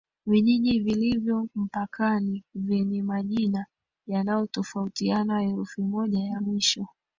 vijiji vilivyo mpakani vyenye majina yanayotofautiana herufi moja ya mwisho